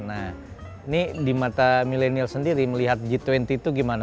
nah ini di mata milenial sendiri melihat g dua puluh itu gimana